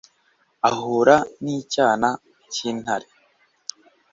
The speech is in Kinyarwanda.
ahura n'icyana cy'intare